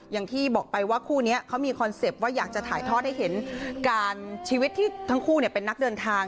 อย่างที่บอกไปว่าคู่นี้เขามีคอนเซ็ปต์ว่าอยากจะถ่ายทอดให้เห็นการชีวิตที่ทั้งคู่เป็นนักเดินทาง